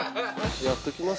やっときます？